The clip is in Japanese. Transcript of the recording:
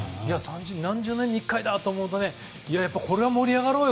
何十年に１回だと思うとこれは盛り上がろうよ